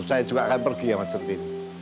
saya juga akan pergi sama cinti